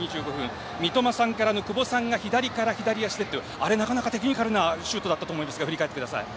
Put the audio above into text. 三笘さんからの久保さんが左足でというなかなかテクニカルなシュートだったと思いますが振り返ってください。